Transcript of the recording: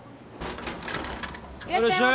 いらっしゃい。